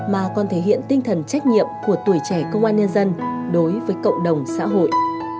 mà còn thể hiện tinh thần trách nhiệm của tuổi trẻ công an nhân dân đối với cộng đồng xã hội